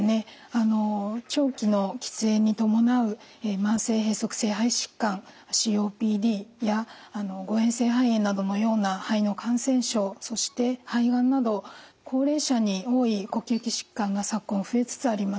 長期の喫煙に伴う慢性閉塞性肺疾患ＣＯＰＤや誤えん性肺炎などのような肺の感染症そして肺がんなど高齢者に多い呼吸器疾患が昨今増えつつあります。